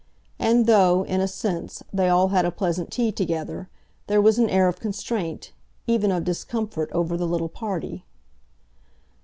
And though, in a sense, they all had a pleasant tea together, there was an air of constraint, even of discomfort, over the little party.